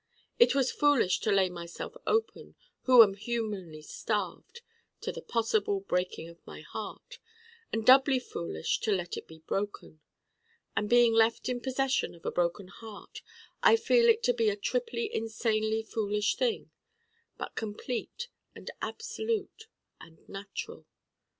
It was foolish to lay myself open, who am humanly starved, to the possible Breaking of my Heart: and doubly foolish to let it be Broken. And being left in possession of a Broken Heart I feel it to be a triply insanely foolish thing: but complete and absolute and natural.